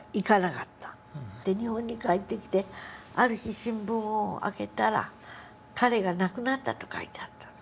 日本に帰ってきてある日新聞を開けたら彼が亡くなったと書いてあった。